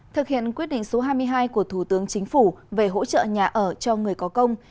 thực hiện quyết định số hai mươi hai của thủ tướng chính phủ về hỗ trợ nhà ở cho người có công